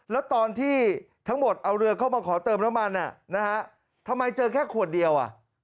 แล้วตอนที่ทั้งหมดเอาเรือเข้ามาขอเติมน้ำมันทำไมเจอแค่ขวดเดียว